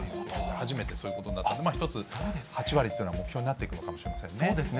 初めてそういうことになったんで、８割というのは目標になっていくのかもしれませんね。